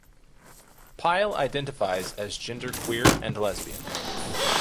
Pyle identifies as genderqueer and lesbian.